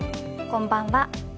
こんばんは。